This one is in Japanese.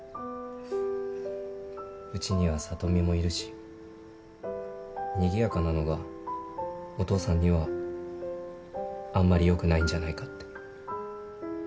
うちには里美もいるしにぎやかなのがお父さんにはあんまり良くないんじゃないかって。